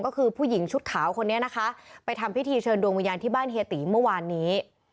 ก็คือผู้หญิงชุดขาวคนนี้นะคะไปทำพิธีเชิญดวงวิญญาณที่บ้านเฮียตีเมื่อวานนี้